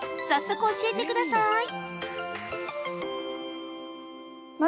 早速、教えてください。